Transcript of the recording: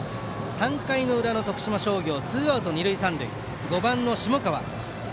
３回裏、徳島商業ツーアウト、二塁三塁で５番、下川。